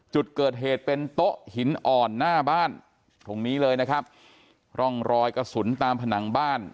จุดเกิดเหตุเป็นโต๊ะหินอ่อนหน้าบ้านตรงนี้เลยนะครับร่องรอยกระสุนตามผนังบ้าน